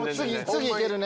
次いけるね？